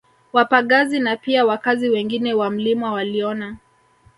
Wapagazi na pia wakazi wengine wa mlima waliona